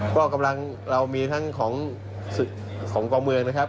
ก็กำลังเรามีทั้งของกองเมืองนะครับ